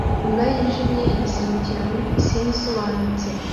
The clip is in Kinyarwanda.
Imbwa yijimye irasimbukira muri pisine isobanutse